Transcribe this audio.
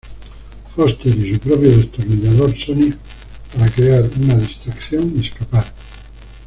Foster y su propio destornillador sónico para crear una distracción y escapar.